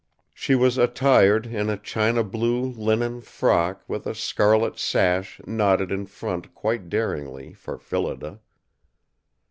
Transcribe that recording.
She was attired in a China blue linen frock with a scarlet sash knotted in front quite daringly, for Phillida.